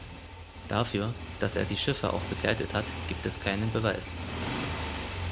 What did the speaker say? Dafür, dass er die Schiffe auch begleitet hat, gibt es keinen Beweis.